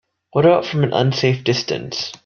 What about from an unsafe distance?